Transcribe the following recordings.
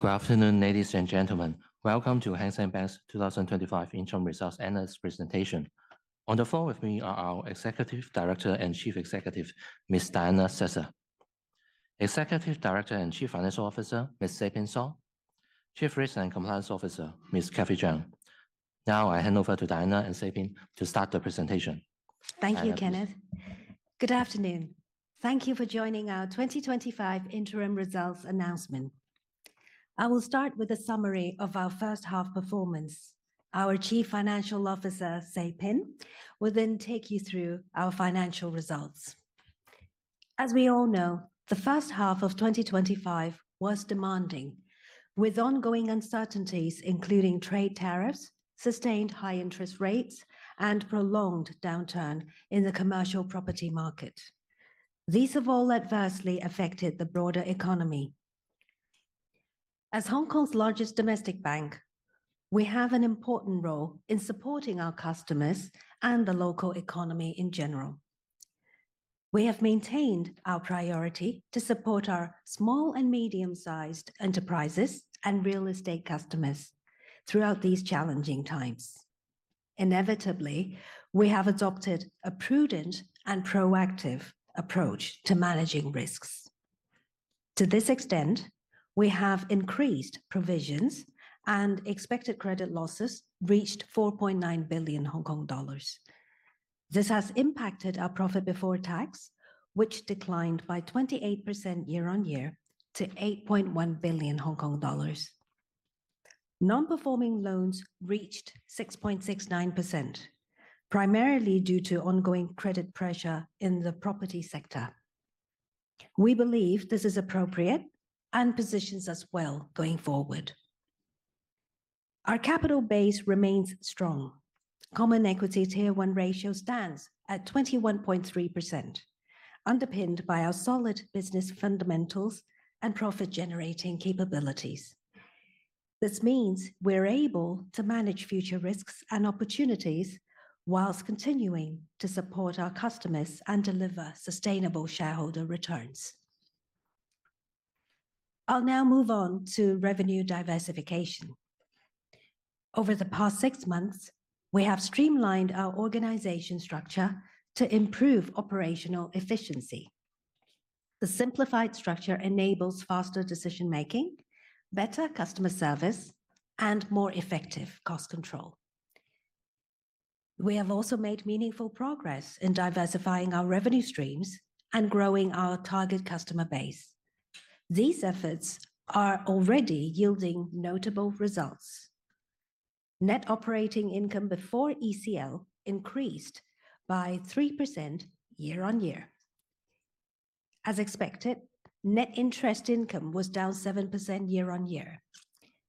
Good afternoon, ladies and gentlemen. Welcome to Hang Seng Bank's 2025 Income Results Analyst presentation. On the phone with me are our Executive Director and Chief Executive, Ms. Diana Cesar, Executive Director and Chief Financial Officer, Ms. Say Pin Saw, and Chief Risk and Compliance Officer, Ms. Kathy Cheung. Now I hand over to Diana and Say Pin to start the presentation. Thank you, Kenneth. Good afternoon. Thank you for joining our 2025 Interim Results Announcement. I will start with a summary of our first half performance. Our Chief Financial Officer, Say Pin, will then take you through our financial results. As we all know, the first half of 2025 was demanding, with ongoing uncertainties including trade tariffs, sustained high-interest rates, and prolonged downturn in the commercial property market. These have all adversely affected the broader economy. As Hong Kong's largest domestic bank, we have an important role in supporting our customers and the local economy in general. We have maintained our priority to support our small and medium-sized enterprises and real estate customers throughout these challenging times. Inevitably, we have adopted a prudent and proactive approach to managing risks. To this extent, we have increased provisions, and expected credit losses reached 4.9 billion Hong Kong dollars. This has impacted our profit before tax, which declined by 28% year-on-year to HKD 8.1 billion. Non-performing loans reached 6.69%, primarily due to ongoing credit pressure in the property sector. We believe this is appropriate and positions us well going forward. Our capital base remains strong. Common Equity Tier 1 ratio stands at 21.3%, underpinned by our solid business fundamentals and profit-generating capabilities. This means we're able to manage future risks and opportunities whilst continuing to support our customers and deliver sustainable shareholder returns. I'll now move on to revenue diversification. Over the past six months, we have streamlined our organization structure to improve operational efficiency. The simplified structure enables faster decision-making, better customer service, and more effective cost control. We have also made meaningful progress in diversifying our revenue streams and growing our target customer base. These efforts are already yielding notable results. Net operating income before ECL increased by 3% year-on-year. As expected, net interest income was down 7% year-on-year.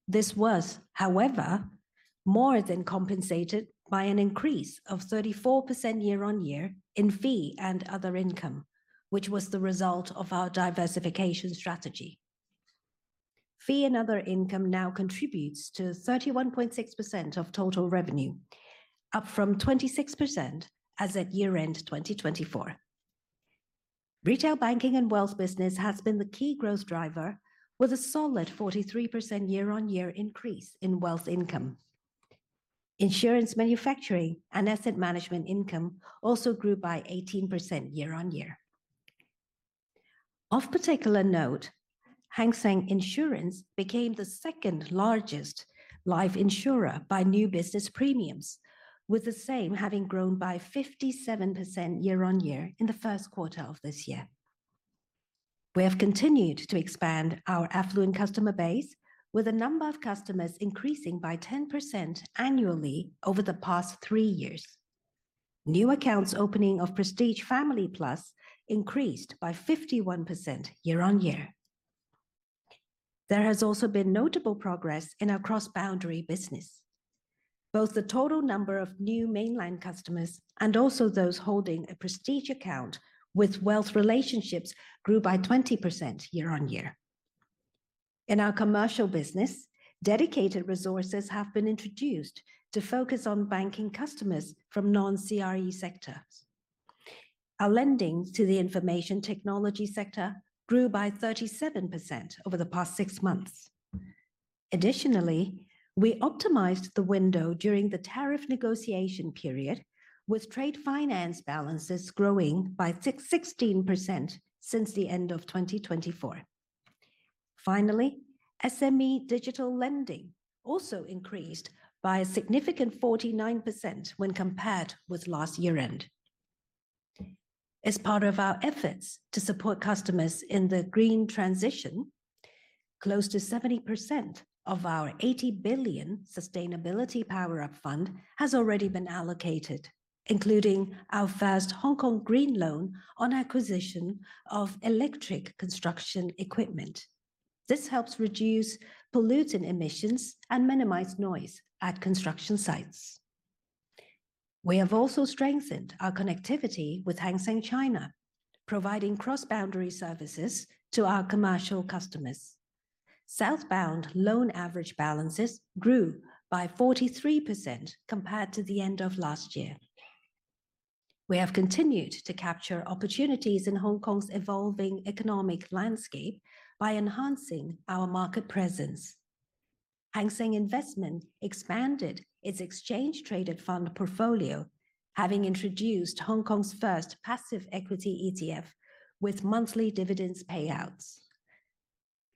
This was, however, more than compensated by an increase of 34% year-on-year in fee and other income, which was the result of our diversification strategy. Fee and other income now contributes to 31.6% of total revenue, up from 26% as at year-end 2024. Retail banking and wealth business has been the key growth driver, with a solid 43% year-on-year increase in wealth income. Insurance manufacturing and asset management income also grew by 18% year-on-year. Of particular note, Hang Seng Insurance became the second-largest life insurer by new business premiums, with the same having grown by 57% year-on-year in the first quarter of this year. We have continued to expand our affluent customer base, with the number of customers increasing by 10% annually over the past three years. New accounts opening of Prestige Family Plus increased by 51% year-on-year. There has also been notable progress in our cross-boundary business. Both the total number of new mainland customers and also those holding a Prestige account with wealth relationships grew by 20% year-on-year. In our commercial business, dedicated resources have been introduced to focus on banking customers from non-CRE sectors. Our lending to the information technology sector grew by 37% over the past six months. Additionally, we optimized the window during the tariff negotiation period, with trade finance balances growing by 16% since the end of 2024. Finally, SME digital lending also increased by a significant 49% when compared with last year-end. As part of our efforts to support customers in the green transition, close to 70% of our 80 billion Sustainability Power-Up Fund has already been allocated, including our first Hong Kong Green Loan on acquisition of electric construction equipment. This helps reduce pollutant emissions and minimize noise at construction sites. We have also strengthened our connectivity with Hang Seng China, providing cross-boundary services to our commercial customers. Southbound loan average balances grew by 43% compared to the end of last year. We have continued to capture opportunities in Hong Kong's evolving economic landscape by enhancing our market presence. Hang Seng Investment expanded its exchange-traded fund portfolio, having introduced Hong Kong's first passive equity ETF with monthly dividends payouts.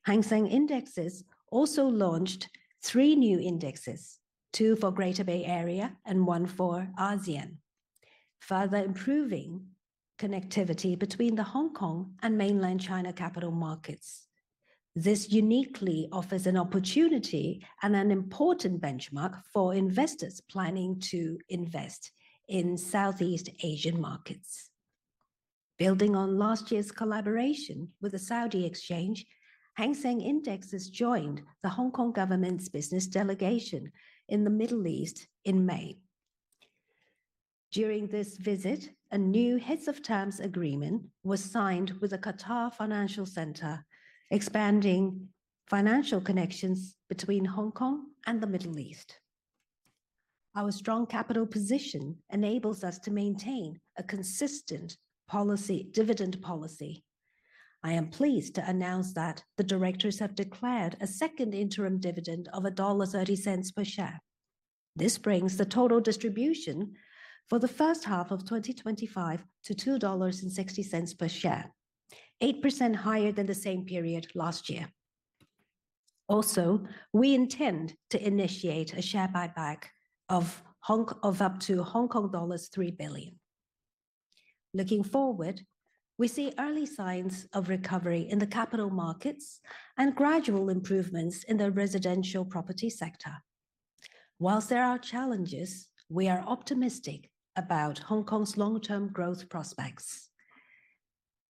Hang Seng Indexes also launched three new indexes, two for Greater Bay Area and one for ASEAN, further improving connectivity between the Hong Kong and mainland China capital markets. This uniquely offers an opportunity and an important Benchmark for investors planning to invest in Southeast Asian markets. Building on last year's collaboration with the Saudi Exchange, Hang Seng Indexes joined the Hong Kong government's business delegation in the Middle East in May. During this visit, a new heads-of-terms agreement was signed with the Financial Center, expanding financial connections between Hong Kong and the Middle East. Our strong capital position enables us to maintain a consistent dividend policy. I am pleased to announce that the directors have declared a second interim dividend of $1.30 per share. This brings the total distribution for the first half of 2025 to $2.60 per share, 8% higher than the same period last year. Also, we intend to initiate a share buyback of up to Hong Kong dollars 3 billion. Looking forward, we see early signs of recovery in the capital markets and gradual improvements in the residential property sector. Whilst there are challenges, we are optimistic about Hong Kong's long-term growth prospects.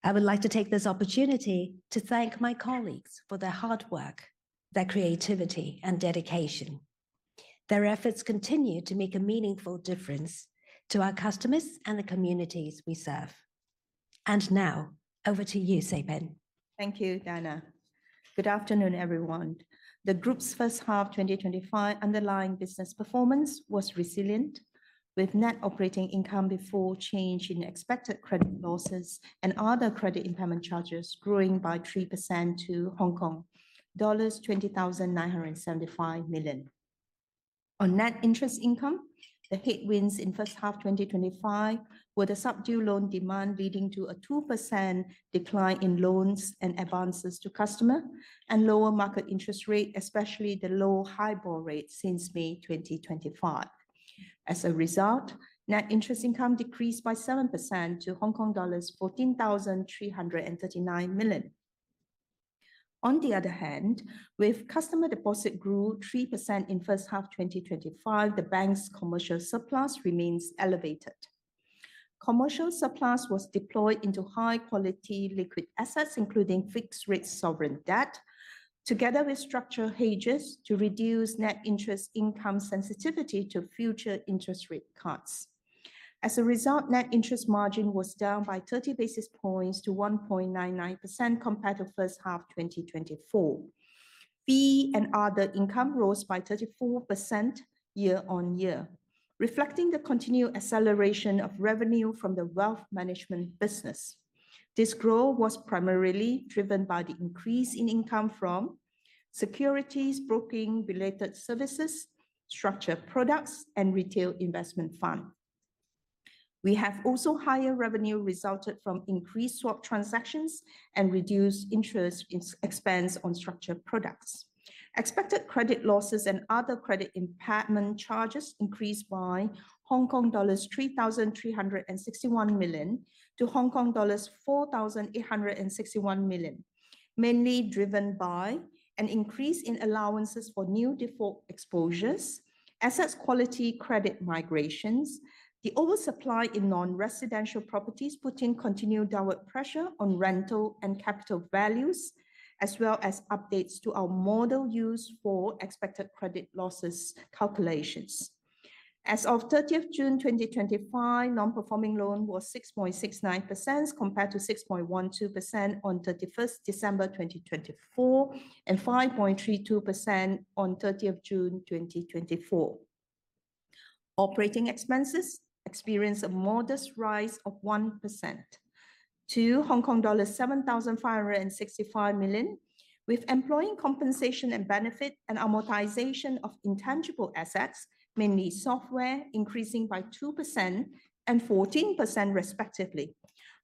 I would like to take this opportunity to thank my colleagues for their hard work, their creativity, and dedication. Their efforts continue to make a meaningful difference to our customers and the communities we serve. Now, over to you, Say Pin. Thank you, Diana. Good afternoon, everyone. The Group's first half 2025 underlying business performance was resilient, with net operating income before change in expected credit losses and other credit impairment charges growing by 3% to Hong Kong dollars 20,975 million. On net interest income, the headwinds in first half 2025 were the subdued loan demand leading to a 2% decline in loans and advances to customers and lower market interest rate, especially the low HIBOR rate since May 2025. As a result, net interest income decreased by 7% to Hong Kong dollars 14,339 million. On the other hand, with customer deposit growth 3% in first half 2025, the bank's commercial surplus remains elevated. Commercial surplus was deployed into high-quality liquid assets, including fixed-rate sovereign debt, together with structured hedges to reduce net interest income sensitivity to future interest rate cuts. As a result, net interest margin was down by 30 basis points to 1.99% compared to first half 2024. Fee and other income rose by 34% year-on-year, reflecting the continued acceleration of revenue from the Wealth Management business. This growth was primarily driven by the increase in income from securities, brokering-related services, structured products, and retail investment funds. We have also seen higher revenue resulting from increased swap transactions and reduced interest expense on structured products. Expected credit losses and other credit impairment charges increased by 3,361 million-4,861 million Hong Kong dollars, mainly driven by an increase in allowances for new default exposures, asset quality credit migrations, the oversupply in non-residential properties putting continued direct pressure on rental and capital values, as well as updates to our model used for expected credit losses calculations. As of 30th June 2025, non-performing loans were 6.69% compared to 6.12% on 31st December 2024 and 5.32% on 30th June 2024. Operating expenses experienced a modest rise of 1% to Hong Kong dollars 7,565 million, with employee compensation and benefit and amortization of intangible assets, mainly software, increasing by 2% and 14% respectively,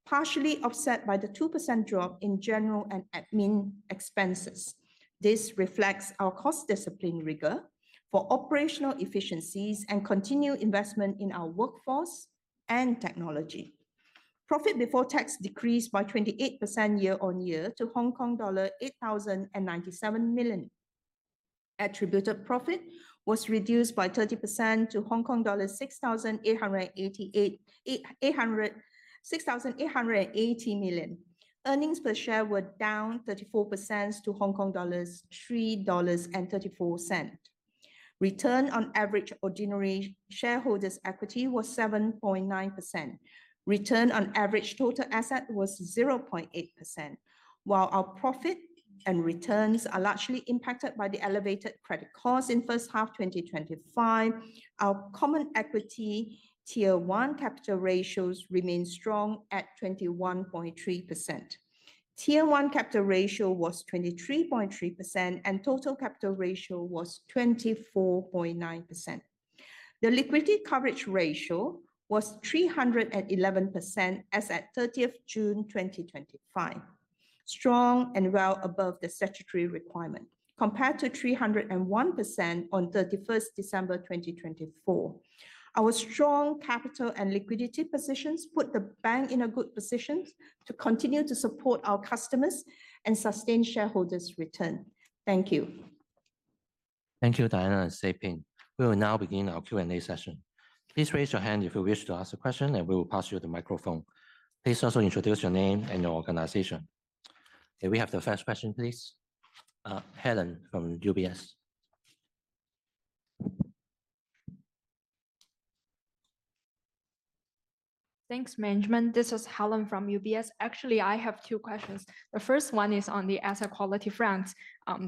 partially offset by the 2% drop in general and admin expenses. This reflects our cost discipline rigor for operational efficiencies and continued investment in our workforce and technology. Profit before tax decreased by 28% year-on-year to Hong Kong dollar 8,097 million. Attributed profit was reduced by 30% to Hong Kong dollar 6,880 million. Earnings per share were down 34% to Hong Kong dollars 3.34. Return on average ordinary shareholders' equity was 7.9%. Return on average total assets was 0.8%. While our profit and returns are largely impacted by the elevated credit costs in first half 2025, our Common Equity Tier 1 capital ratios remained strong at 21.3%. Tier 1 capital ratio was 23.3% and total capital ratio was 24.9%. The liquidity coverage ratio was 311% as at 30th June 2025, strong and well above the statutory requirement, compared to 301% on 31st December 2024. Our strong capital and liquidity positions put the bank in a good position to continue to support our customers and sustain shareholders' return. Thank you. Thank you, Diana and Say Pin. We will now begin our Q&A session. Please raise your hand if you wish to ask a question, and we will pass you the microphone. Please also introduce your name and your organization. Can we have the first question, please? Helen from UBS. Thanks, Management. This is Helen from UBS. Actually, I have two questions. The first one is on the asset quality front.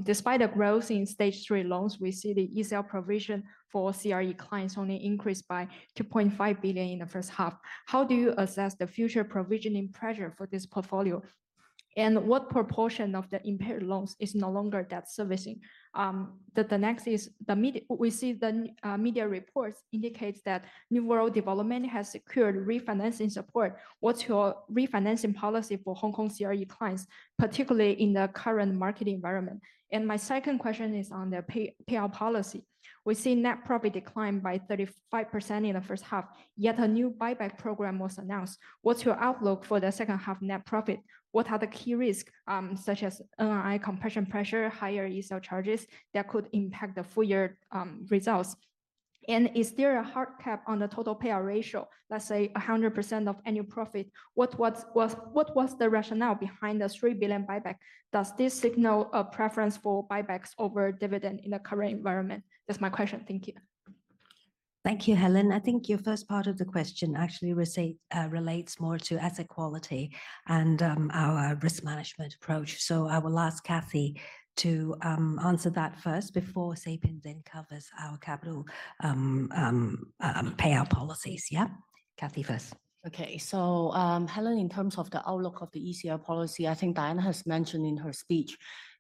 Despite the growth in stage three loans, we see the ECL provision for CRE clients only increase by 2.5 billion in the first half. How do you assess the future provisioning pressure for this portfolio? And what proportion of the impaired loans is no longer debt servicing? The next is the media reports indicate that New World Development has secured refinancing support. What is your refinancing policy for Hong Kong CRE clients, particularly in the current market environment? My second question is on the payout policy. We see net profit decline by 35% in the first half. Yet a new buyback program was announced. What is your outlook for the second half net profit? What are the key risks, such as NII compression pressure, higher ECL charges that could impact the full-year results? Is there a hard cap on the total payout ratio, let's say 100% of annual profit? What was the rationale behind the 3 billion buyback? Does this signal a preference for buybacks over dividend in the current environment? That is my question. Thank you. Thank you, Helen. I think your first part of the question actually relates more to asset quality and our risk management approach. I will ask Kathy to answer that first before Say Pin then covers our capital payout policies. Yeah, Kathy first. Okay, so Helen, in terms of the outlook of the ECL policy, I think Diana has mentioned in her speech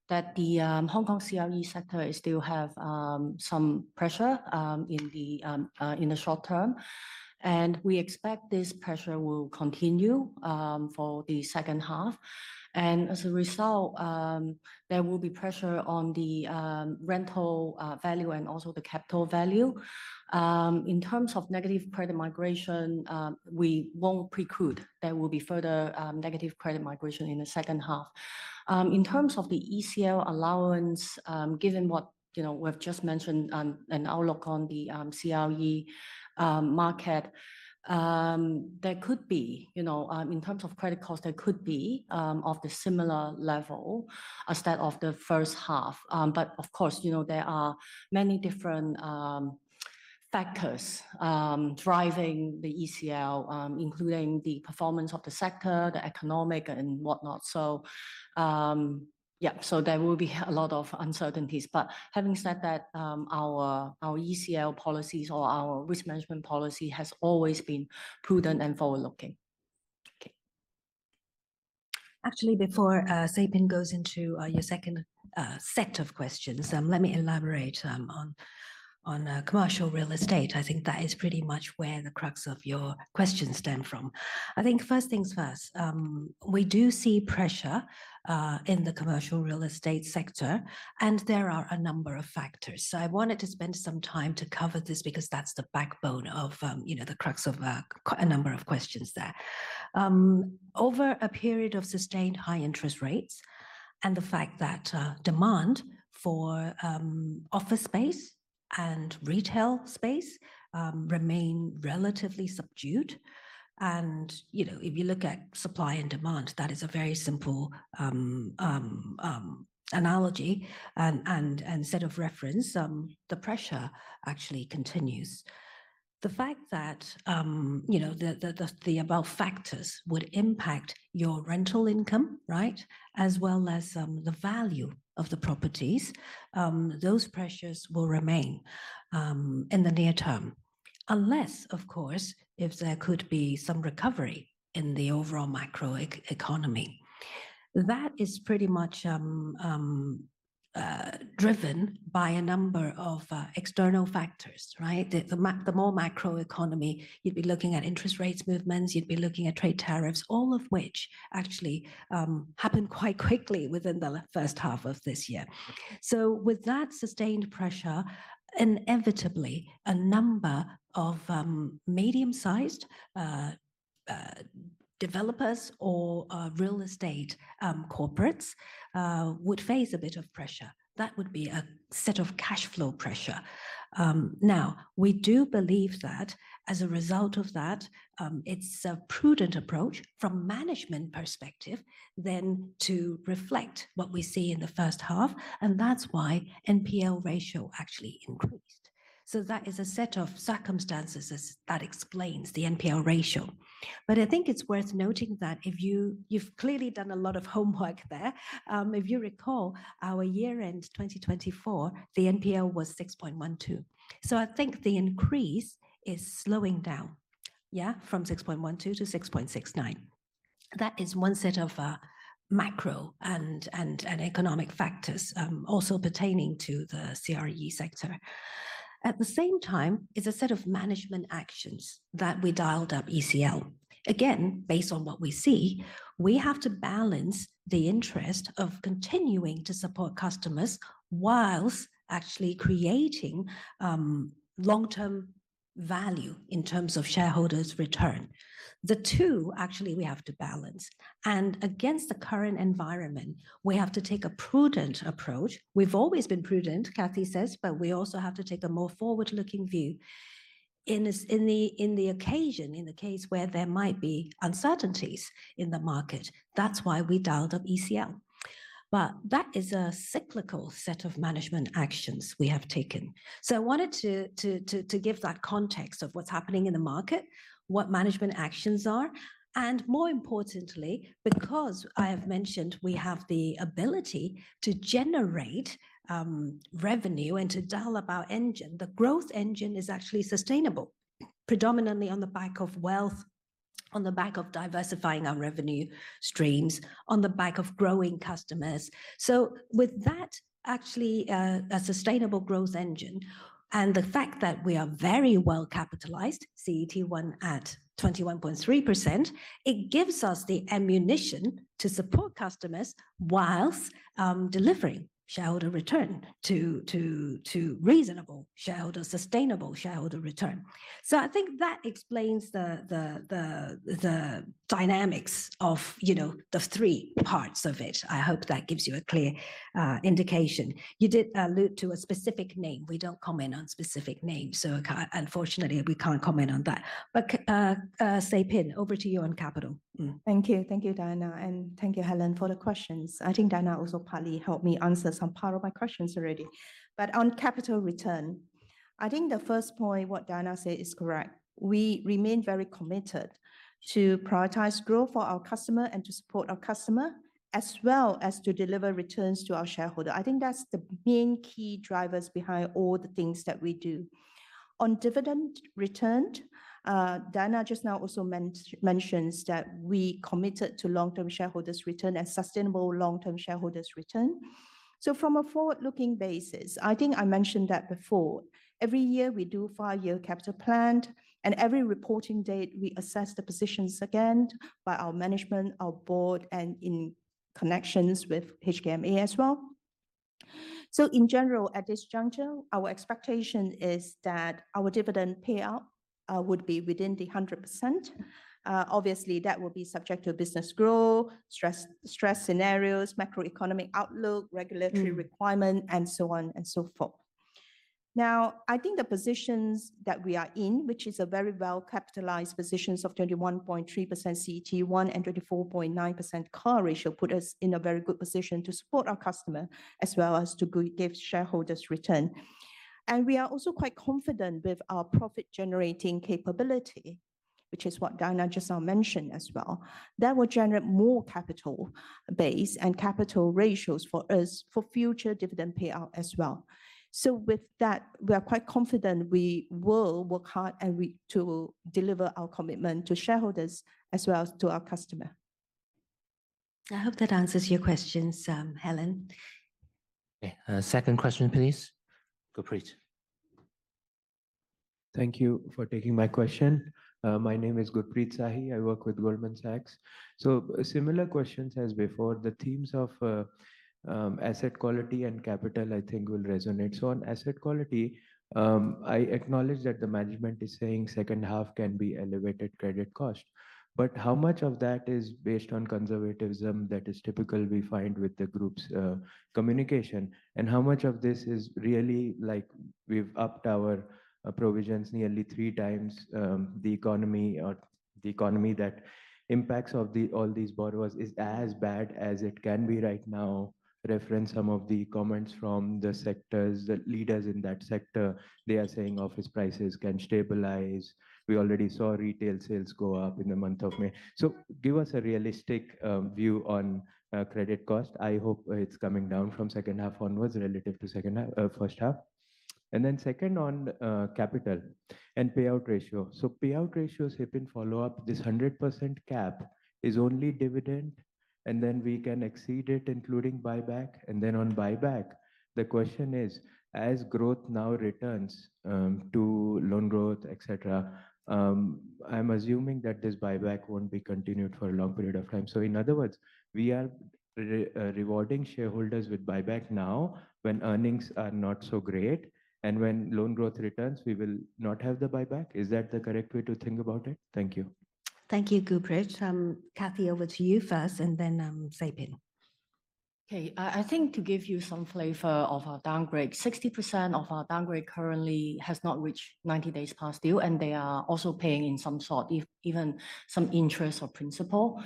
that the Hong Kong CRE sector still has some pressure in the short term. We expect this pressure will continue for the second half. As a result, there will be pressure on the rental value and also the capital value. In terms of negative credit migration, we won't preclude there will be further negative credit migration in the second half. In terms of the ECL allowance, given what we've just mentioned and outlook on the CRE market, there could be, you know, in terms of credit costs, there could be of the similar level as that of the first half. Of course, you know, there are many different factors driving the ECL, including the performance of the sector, the economic, and whatnot. Yeah, there will be a lot of uncertainties. Having said that, our ECL policies or our risk management policy has always been prudent and forward-looking. Actually, before Say Pin goes into your second set of questions, let me elaborate on Commercial Real Estate. I think that is pretty much where the crux of your questions stem from. I think first things first, we do see pressure in the Commercial Real Estate sector, and there are a number of factors. I wanted to spend some time to cover this because that's the backbone of the crux of a number of questions there. Over a period of sustained high interest rates and the fact that demand for office space and retail space remain relatively subdued. You know, if you look at supply and demand, that is a very simple analogy and set of reference, the pressure actually continues. The fact that the above factors would impact your rental income, right, as well as the value of the properties, those pressures will remain. In the near term, unless, of course, if there could be some recovery in the overall macro economy. That is pretty much driven by a number of external factors, right? The more macro economy, you'd be looking at interest rate movements, you'd be looking at trade tariffs, all of which actually happened quite quickly within the first half of this year. With that sustained pressure, inevitably, a number of medium-sized developers or real estate corporates would face a bit of pressure. That would be a set of cash flow pressure. Now, we do believe that as a result of that, it's a prudent approach from management perspective then to reflect what we see in the first half. That's why NPL ratio actually increased. That is a set of circumstances that explains the NPL ratio. I think it's worth noting that if you've clearly done a lot of homework there, if you recall our year-end 2024, the NPL was 6.12%. I think the increase is slowing down, yeah, from 6.12%-6.69%. That is one set of macro and economic factors also pertaining to the CRE sector. At the same time, it's a set of management actions that we dialed up ECL. Again, based on what we see, we have to balance the interest of continuing to support customers whilst actually creating long-term value in terms of shareholders' return. The two, actually, we have to balance. Against the current environment, we have to take a prudent approach. We've always been prudent, Kathy says, but we also have to take a more forward-looking view. In the occasion, in the case where there might be uncertainties in the market, that's why we dialed up ECL. That is a cyclical set of management actions we have taken. I wanted to give that context of what's happening in the market, what management actions are, and more importantly, because I have mentioned we have the ability to generate revenue and to dial up our engine, the growth engine is actually sustainable, predominantly on the back of wealth, on the back of diversifying our revenue streams, on the back of growing customers. With that, actually, a sustainable growth engine, and the fact that we are very well capitalized, CET1 at 21.3%, it gives us the ammunition to support customers whilst delivering shareholder return to reasonable shareholder, sustainable shareholder return. I think that explains the dynamics of the three parts of it. I hope that gives you a clear indication. You did allude to a specific name. We don't comment on specific names. Unfortunately, we can't comment on that. Say Pin, over to you on capital. Thank you. Thank you, Diana. Thank you, Helen, for the questions. I think Diana also partly helped me answer some part of my questions already. On capital return, I think the first point, what Diana said, is correct. We remain very committed to prioritize growth for our customer and to support our customer, as well as to deliver returns to our shareholders. I think that is the main key drivers behind all the things that we do. On dividend return, Diana just now also mentions that we committed to long-term shareholders' return and sustainable long-term shareholders' return. From a forward-looking basis, I think I mentioned that before. Every year we do five-year capital planned, and every reporting date, we assess the positions again by our management, our board, and in connections with HKMA as well. In general, at this juncture, our expectation is that our dividend payout would be within the 100%. Obviously, that will be subject to business growth, stress scenarios, macro economic outlook, regulatory requirements, and so on and so forth. I think the positions that we are in, which is a very well-capitalized position of 21.3% CET1 and 24.9% total capital ratio, put us in a very good position to support our customer as well as to give shareholders return. We are also quite confident with our profit-generating capability, which is what Diana just now mentioned as well. That will generate more capital base and capital ratios for us for future dividend payout as well. With that, we are quite confident we will work hard and to deliver our commitment to shareholders as well as to our customer. I hope that answers your questions, Helen. Second question, please. Gurpreet. Thank you for taking my question. My name is Gurpreet Sahi. I work with Goldman Sachs. Similar questions as before. The themes of asset quality and capital, I think, will resonate. On asset quality, I acknowledge that the management is saying second half can be elevated credit cost. How much of that is based on conservatism that is typical we find with the group's communication? How much of this is really like we've upped our provisions nearly three times, the economy or the economy that impacts of all these borrowers is as bad as it can be right now? Reference some of the comments from the sectors, the leaders in that sector. They are saying office prices can stabilize. We already saw retail sales go up in the month of May. Give us a realistic view on credit cost. I hope it's coming down from second half onwards relative to first half. Second, on capital and payout ratio. Payout ratios, Say Pin, follow up, this 100% cap is only dividend, and then we can exceed it, including buyback. On buyback, the question is, as growth now returns to loan growth, et cetera. I'm assuming that this buyback won't be continued for a long period of time. In other words, we are rewarding shareholders with buyback now when earnings are not so great, and when loan growth returns, we will not have the buyback. Is that the correct way to think about it? Thank you. Thank you, Gurpreet. Kathy, over to you first, and then Say Pin. Okay, I think to give you some flavor of our downgrade, 60% of our downgrade currently has not reached 90 days past due, and they are also paying in some sort, even some interest or principal.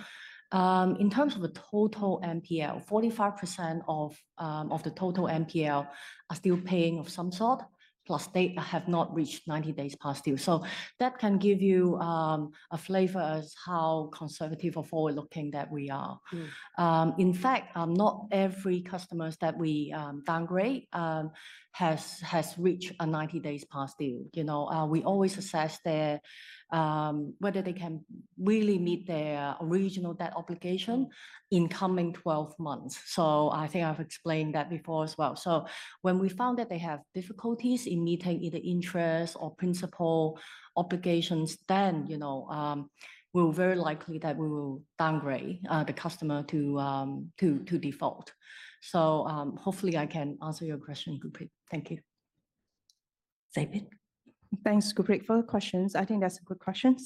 In terms of the total NPL, 45% of the total NPL are still paying of some sort, plus they have not reached 90 days past due. That can give you a flavor as to how conservative or forward-looking we are. In fact, not every customer that we downgrade has reached a 90 days past due. We always assess whether they can really meet their original debt obligation in the coming 12 months. I think I have explained that before as well. When we find that they have difficulties in meeting either interest or principal obligations, then we are very likely to downgrade the customer to default. Hopefully I can answer your question, Gurpreet. Thank you. Say Pin. Thanks, Gurpreet, for the questions. I think that's a good question.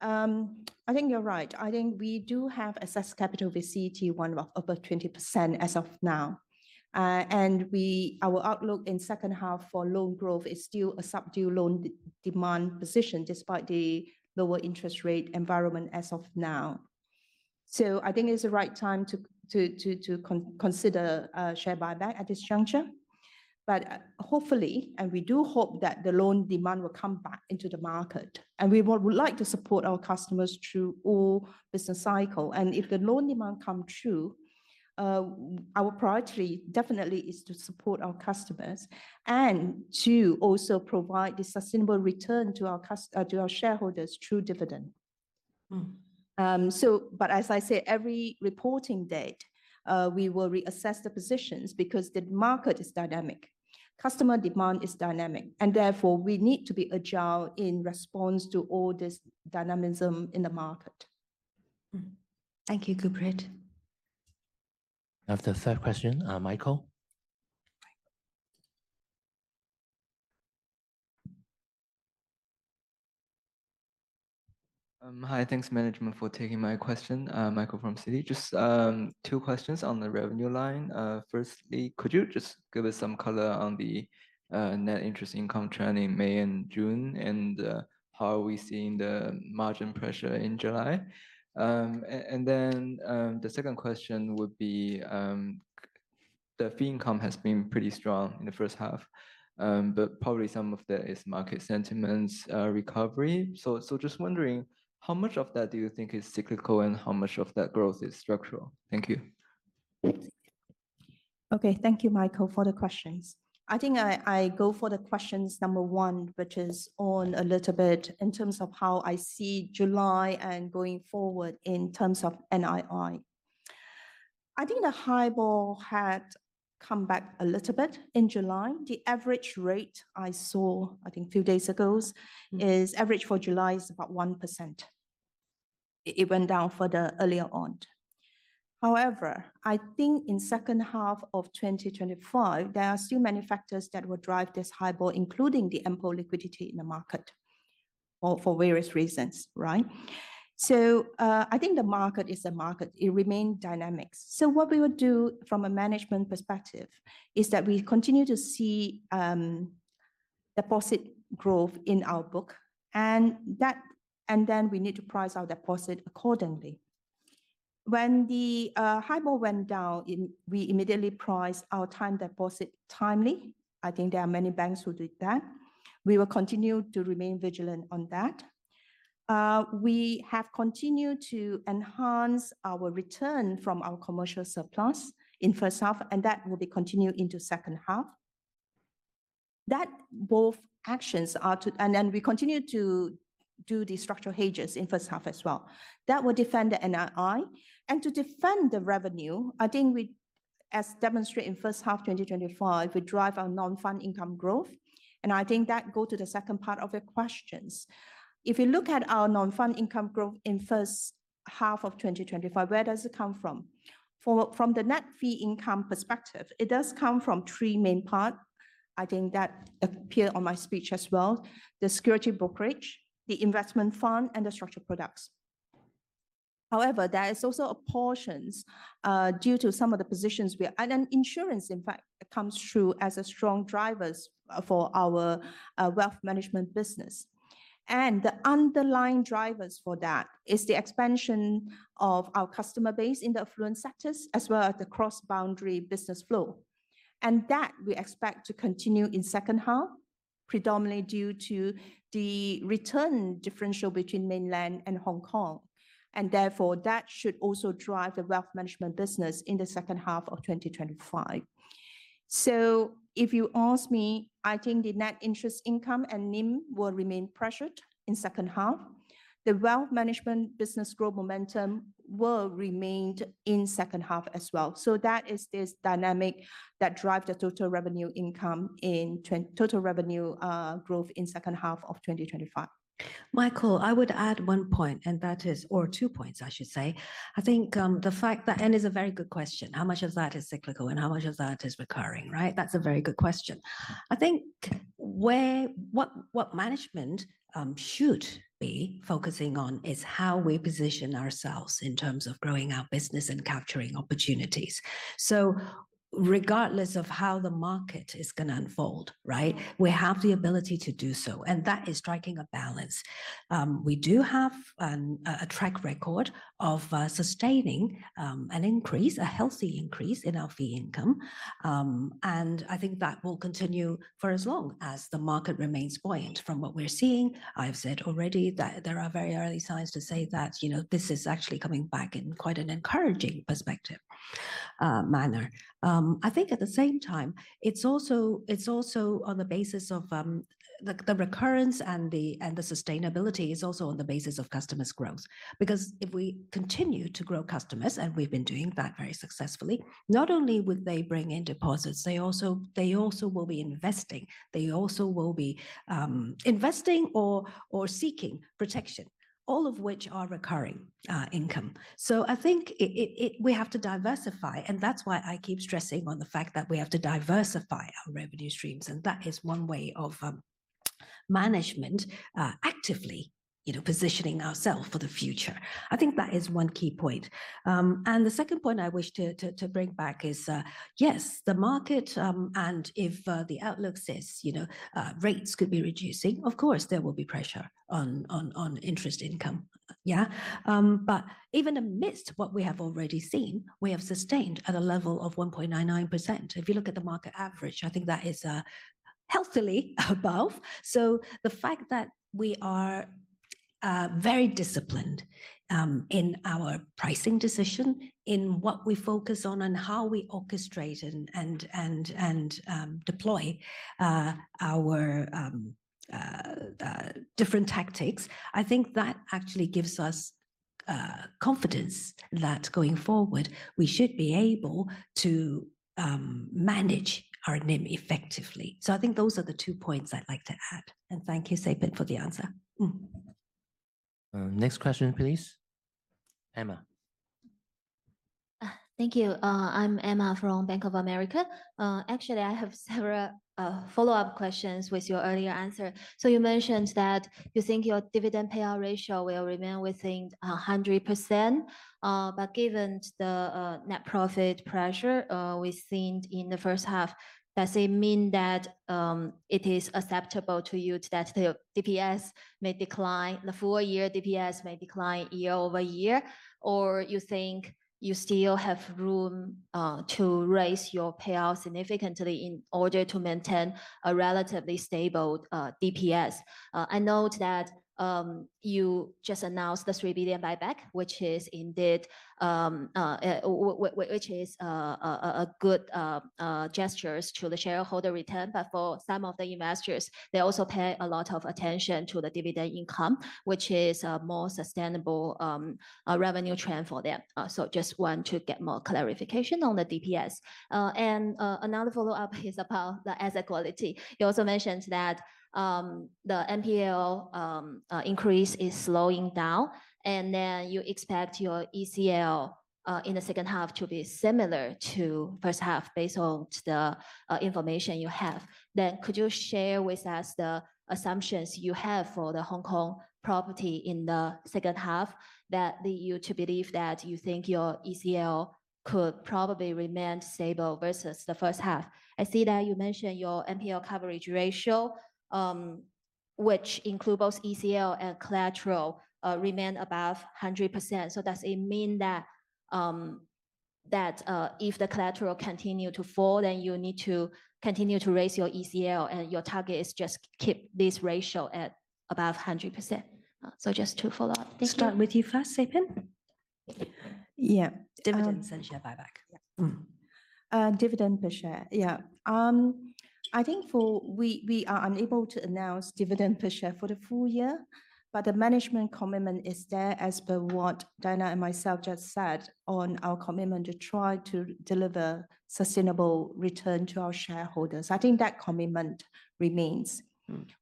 I think you're right. I think we do have assessed capital with CET1 of about 20% as of now. Our outlook in second half for loan growth is still a subdue loan demand position despite the lower interest rate environment as of now. I think it's the right time to consider share buyback at this juncture. Hopefully, and we do hope that the loan demand will come back into the market. We would like to support our customers through all business cycles. If the loan demand comes true, our priority definitely is to support our customers and to also provide the sustainable return to our shareholders through dividend. As I say, every reporting date, we will reassess the positions because the market is dynamic. Customer demand is dynamic. Therefore, we need to be agile in response to all this dynamism in the market. Thank you, Gurpreet. Now, the third question, Michael. Hi, thanks management for taking my question. Michael from Citi. Just two questions on the revenue line. Firstly, could you just give us some color on the net interest income trend in May and June, and how are we seeing the margin pressure in July? The second question would be, the fee income has been pretty strong in the first half, but probably some of that is market sentiment recovery. Just wondering, how much of that do you think is cyclical and how much of that growth is structural? Thank you. Okay, thank you, Michael, for the questions. I think I go for the question number one, which is on a little bit in terms of how I see July and going forward in terms of NII. I think the highball had come back a little bit in July. The average rate I saw, I think a few days ago, is average for July is about 1%. It went down further earlier on. However, I think in second half of 2025, there are still many factors that will drive this highball, including the MPOL liquidity in the market. For various reasons, right? I think the market is a market. It remains dynamic. What we would do from a management perspective is that we continue to see deposit growth in our book. And then we need to price our deposit accordingly. When the highball went down, we immediately priced our time deposit timely. I think there are many banks who did that. We will continue to remain vigilant on that. We have continued to enhance our return from our commercial surplus in first half, and that will be continued into second half. Both actions are to, and then we continue to do the structural hedges in first half as well. That will defend the NII. To defend the revenue, I think we, as demonstrated in first half 2025, we drive our non-fund income growth. I think that goes to the second part of your questions. If you look at our non-fund income growth in first half of 2025, where does it come from? From the net fee income perspective, it does come from three main parts. I think that appear on my speech as well: the security brokerage, the investment fund, and the structure products. However, there is also a portion due to some of the positions we are, and insurance, in fact, comes through as a strong driver for our Wealth Management business. The underlying drivers for that is the expansion of our customer base in the affluent sectors as well as the cross-boundary business flow. That we expect to continue in second half, predominantly due to the return differential between Mainland and Hong Kong. Therefore, that should also drive the Wealth Management business in the second half of 2025. If you ask me, I think the net interest income and NIM will remain pressured in second half. The Wealth Management business growth momentum will remain in second half as well. That is this dynamic that drives the total revenue income in total revenue growth in second half of 2025. Michael, I would add one point, and that is, or two points, I should say. I think the fact that, and it's a very good question, how much of that is cyclical and how much of that is recurring, right? That's a very good question. I think what management should be focusing on is how we position ourselves in terms of growing our business and capturing opportunities. Regardless of how the market is going to unfold, right, we have the ability to do so. That is striking a balance. We do have a track record of sustaining an increase, a healthy increase in our fee income. I think that will continue for as long as the market remains buoyant from what we're seeing. I've said already that there are very early signs to say that this is actually coming back in quite an encouraging perspective. I think at the same time, it's also on the basis of the recurrence and the sustainability is also on the basis of customers' growth. Because if we continue to grow customers, and we've been doing that very successfully, not only would they bring in deposits, they also will be investing. They also will be investing or seeking protection, all of which are recurring income. I think we have to diversify, and that's why I keep stressing on the fact that we have to diversify our revenue streams. That is one way of management actively positioning ourselves for the future. I think that is one key point. The second point I wish to bring back is, yes, the market, and if the outlook says rates could be reducing, of course, there will be pressure on interest income. Yeah. Even amidst what we have already seen, we have sustained at a level of 1.99%. If you look at the market average, I think that is healthily above. The fact that we are very disciplined in our pricing decision, in what we focus on, and how we orchestrate and deploy our different tactics, I think that actually gives us confidence that going forward, we should be able to manage our NIM effectively. I think those are the two points I'd like to add. Thank you, Say Pin, for the answer. Next question, please. Emma. Thank you. I'm Emma from Bank of America. Actually, I have several follow-up questions with your earlier answer. You mentioned that you think your dividend payout ratio will remain within 100%. Given the net profit pressure we've seen in the first half, does it mean that it is acceptable to you that the DPS may decline, the full-year DPS may decline year-over-year? Or you think you still have room to raise your payout significantly in order to maintain a relatively stable DPS? I note that you just announced the 3 billion buyback, which is indeed a good gesture to the shareholder return. For some of the investors, they also pay a lot of attention to the dividend income, which is a more sustainable revenue trend for them. I just want to get more clarification on the DPS. Another follow-up is about the asset quality. You also mentioned that the NPL increase is slowing down, and you expect your ECL in the second half to be similar to the first half based on the information you have. Could you share with us the assumptions you have for the Hong Kong property in the second half that lead you to believe that your ECL could probably remain stable versus the first half? I see that you mentioned your NPL coverage ratio, which includes both ECL and collateral, remains above 100%. Does it mean that if the collateral continues to fall, then you need to continue to raise your ECL and your target is just to keep this ratio at above 100%? Just to follow up. Start with you first, Say Pin. Yeah. Dividend per share buyback. Dividend per share, yeah. I think we are unable to announce dividend per share for the full year, but the management commitment is there as per what Diana and myself just said on our commitment to try to deliver sustainable return to our shareholders. I think that commitment remains.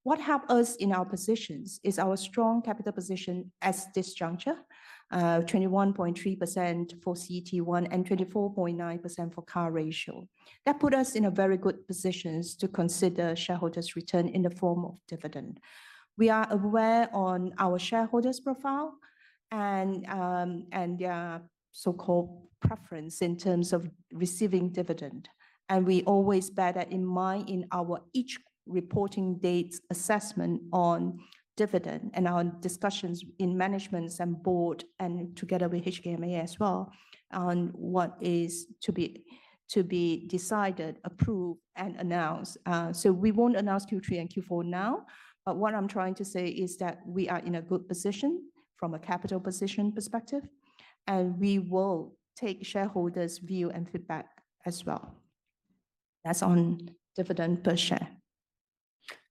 What helps us in our positions is our strong capital position at this juncture. 21.3% for CET1 and 24.9% for CAR ratio. That puts us in a very good position to consider shareholders' return in the form of dividend. We are aware of our shareholders' profile and their so-called preference in terms of receiving dividend. We always bear that in mind in our each reporting date's assessment on dividend and our discussions in management and board and together with HKMA as well on what is to be decided, approved, and announced. We will not announce Q3 and Q4 now, but what I am trying to say is that we are in a good position from a capital position perspective, and we will take shareholders' view and feedback as well. That is on dividend per share.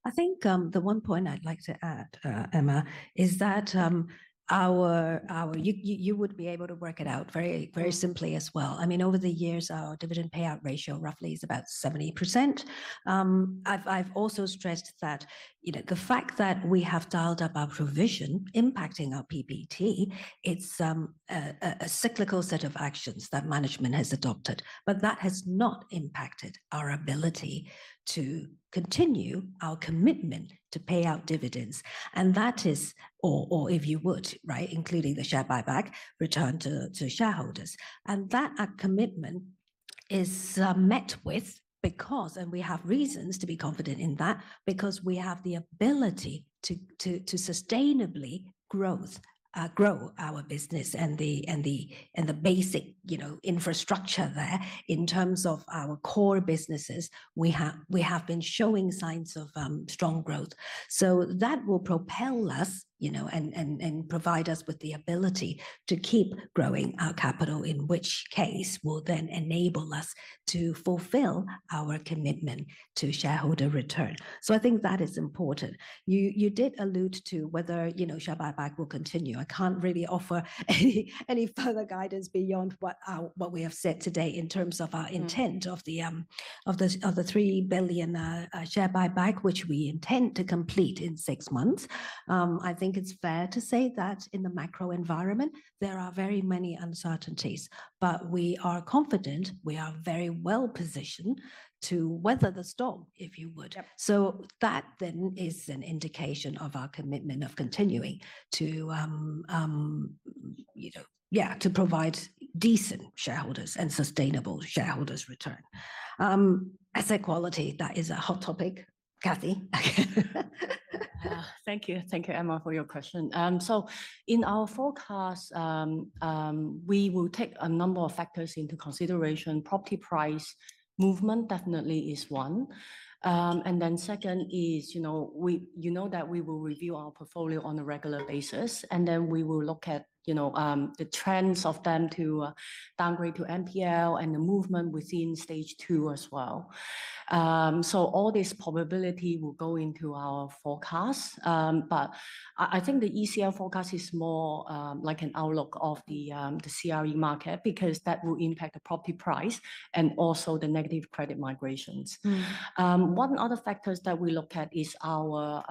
I think the one point I'd like to add, Emma, is that you would be able to work it out very simply as well. I mean, over the years, our dividend payout ratio roughly is about 70%. I've also stressed that the fact that we have dialed up our provision impacting our PBT, it's a cyclical set of actions that management has adopted. That has not impacted our ability to continue our commitment to pay out dividends. That is, or if you would, right, including the share buyback return to shareholders. That commitment is met with because, and we have reasons to be confident in that, because we have the ability to sustainably grow our business and the basic infrastructure there in terms of our core businesses. We have been showing signs of strong growth. That will propel us and provide us with the ability to keep growing our capital, in which case will then enable us to fulfill our commitment to shareholder return. I think that is important. You did allude to whether share buyback will continue. I can't really offer any further guidance beyond what we have said today in terms of our intent of the $3 billion share buyback, which we intend to complete in six months. I think it's fair to say that in the macro environment, there are very many uncertainties, but we are confident we are very well positioned to weather the storm, if you would. That then is an indication of our commitment of continuing to, yeah, to provide decent shareholders and sustainable shareholders' return. Asset quality, that is a hot topic, Kathy. Thank you. Thank you, Emma, for your question. In our forecast, we will take a number of factors into consideration. Property price movement definitely is one. The second is, you know, that we will review our portfolio on a regular basis. We will look at the trends of them to downgrade to NPL and the movement within stage two as well. All this probability will go into our forecast. I think the ECL forecast is more like an outlook of the CRE market because that will impact the property price and also the negative credit migrations. One other factor that we look at is our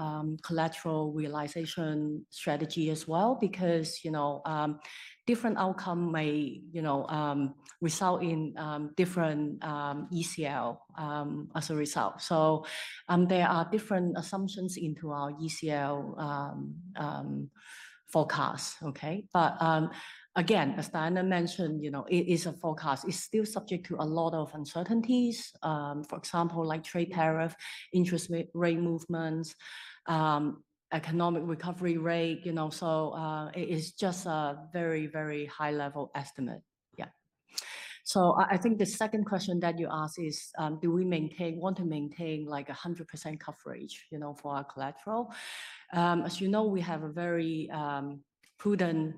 collateral realization strategy as well because different outcomes may result in different ECL as a result. There are different assumptions into our ECL forecast, okay? Again, as Diana mentioned, it is a forecast. It's still subject to a lot of uncertainties, for example, like trade tariff, interest rate movements, economic recovery rate. It is just a very, very high-level estimate. Yeah. I think the second question that you asked is, do we want to maintain 100% coverage for our collateral? As you know, we have a very prudent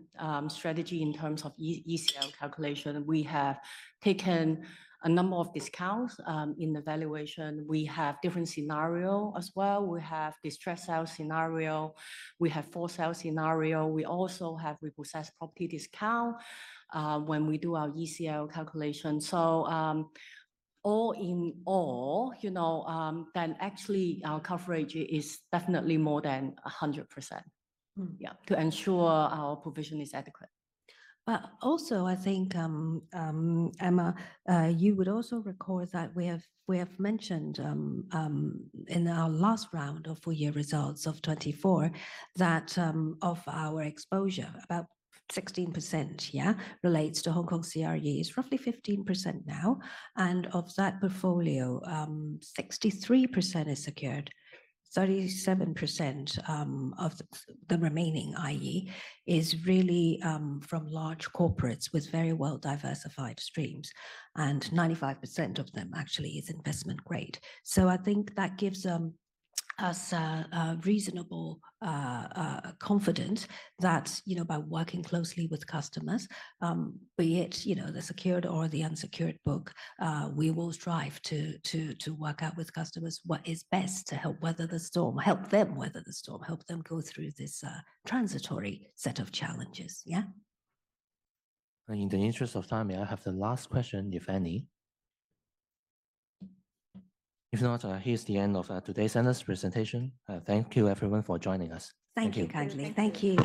strategy in terms of ECL calculation. We have taken a number of discounts in the valuation. We have different scenarios as well. We have the stress sale scenario. We have for sale scenario. We also have repossessed property discount when we do our ECL calculation. All in all, then actually our coverage is definitely more than 100%, yeah, to ensure our provision is adequate. Also, I think, Emma, you would also recall that we have mentioned in our last round of full-year results of 2024 that of our exposure, about 16% relates to Hong Kong CREs, roughly 15% now. Of that portfolio, 63% is secured, 37% of the remaining, i.e., is really from large corporates with very well-diversified streams, and 95% of them actually is investment grade. I think that gives us a reasonable confidence that by working closely with customers, be it the secured or the unsecured book, we will strive to work out with customers what is best to help weather the storm, help them weather the storm, help them go through this transitory set of challenges. In the interest of time, I have the last question, if any. If not, here's the end of today's presentation. Thank you, everyone, for joining us. Thank you kenneth. Thank you.